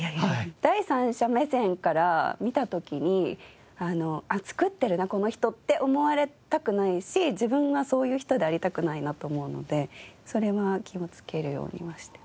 第三者目線から見た時に「あっ作ってるなこの人」って思われたくないし自分はそういう人でありたくないなと思うのでそれは気をつけるようにはしてます。